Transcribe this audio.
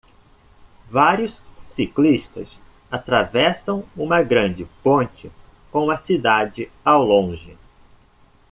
Vários ciclistas atravessam uma grande ponte com a cidade ao longe.